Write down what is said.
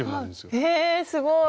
えすごい！